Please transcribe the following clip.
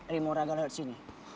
rimu ragu ragu sini